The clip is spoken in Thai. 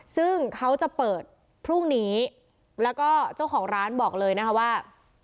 ซึ่งเขาจะเปิดพรุ่งนี้แล้วก็เจ้าของร้านบอกเลยนะคะว่า